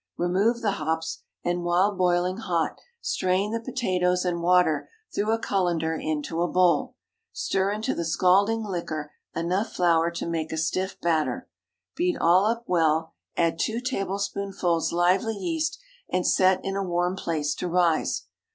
Remove the hops, and while boiling hot, strain the potatoes and water through a cullender into a bowl. Stir into the scalding liquor enough flour to make a stiff batter. Beat all up well; add two tablespoonfuls lively yeast and set in a warm place to rise.